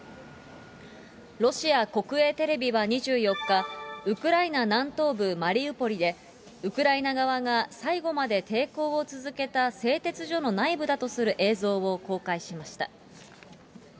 ロシア国営テレビは２４日、ウクライナ南東部マリウポリで、ウクライナ側が最後まで抵抗を続けた製鉄所の内部だとする映像を公開しました。